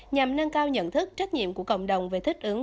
nhằm nâng cao nhận thức trách nhiệm của cộng đồng về thích ứng